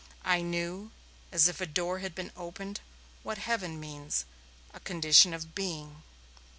I knew, as if a door had been opened, what heaven means a condition of being.